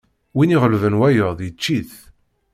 Win iɣelben wayeḍ, yečč-it!